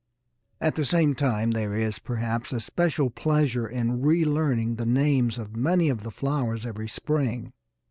At the same time there is, perhaps, a special pleasure in re learning the names of many of the flowers every spring.